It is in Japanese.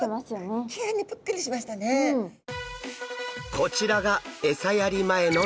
こちらがエサやり前のチゴダラ。